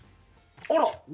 あら！